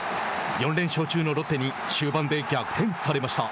４連勝中のロッテに終盤で逆転されました。